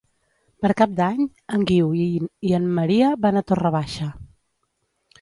Per Cap d'Any en Guiu i en Maria van a Torre Baixa.